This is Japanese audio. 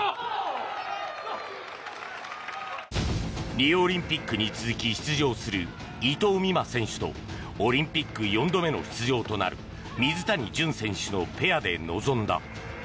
リオオリンピックに続き出場する伊藤美誠選手とオリンピック４度目の出場となる水谷隼選手とのペアで臨んだ。